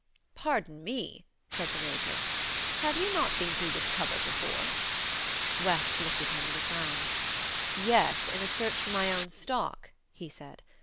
"Pardon me," said the Major. "Have you not been through this cupboard before?" West looked at him with a frown. "Yes; in a search for my own stock," he said.